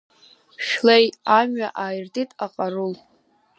Шәлеи, амҩа ааиртит аҟарул.